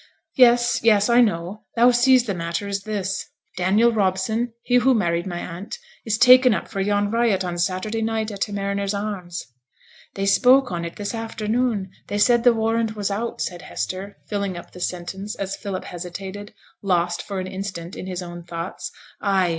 'Yes, yes, I know. Thou sees the matter is this: Daniel Robson he who married my aunt is taken up for yon riot on Saturday night at t' Mariners' Arms ' 'They spoke on it this afternoon; they said the warrant was out,' said Hester, filling up the sentence as Philip hesitated, lost for an instant in his own thoughts. 'Ay!